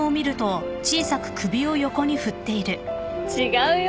違うよ。